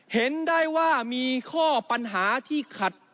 เห็นได้ว่ามีข้อปัญหาที่ขัด